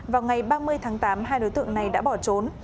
vào ngày ba mươi tháng tám hai đối tượng này đã bỏ trốn